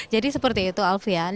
jadi seperti itu alfian